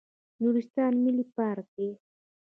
نورستان ملي پارک دی